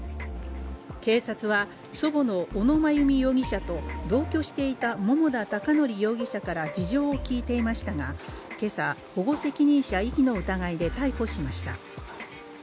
警察は祖母の小野真由美容疑者と同居していた桃田貴徳容疑者から事情を聴いていましたが、今朝、保護責任者遺棄の疑いで逮捕しました。